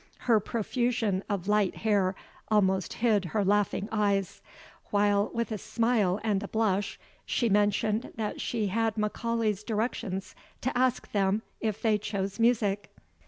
Her profusion of light hair almost hid her laughing eyes, while, with a smile and a blush, she mentioned that she had M'Aulay's directions to ask them if they chose music.